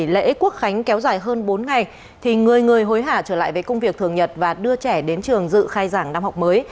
lễ quốc khánh kéo dài hơn bốn ngày thì người người hối hả trở lại với công việc thường nhật và đưa trẻ đến trường dự khai giảng năm học mới